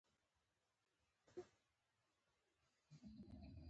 تنور د کلیوالو ژوند ارزښتناکه برخه ده